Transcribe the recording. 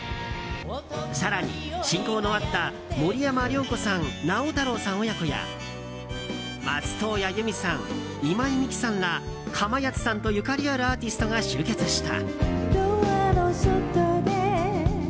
更に、親交のあった森山良子さん、直太朗さん親子や松任谷由実さん、今井美樹さんらかまやつさんと、ゆかりあるアーティストが集結した。